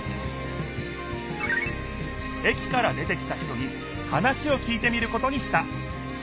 駅から出てきた人に話をきいてみることにした